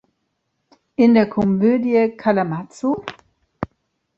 In der Komödie "Kalamazoo?